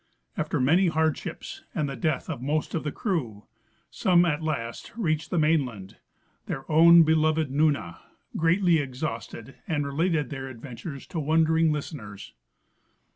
After many hardships and the death of most of the crew, some at last reached the mainland, their own be loved '" Nunah," greatly exhausted, and related their adventures to Avondering listeners.